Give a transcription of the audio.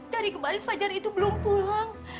dari kemarin fajar itu belum pulang